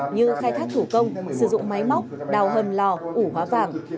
như khai thác thủ công sử dụng máy móc đào hầm lò ủ hóa vàng